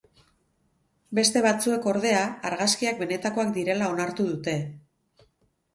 Beste batzuek, ordea, argazkiak benetakoak direla onartu dute.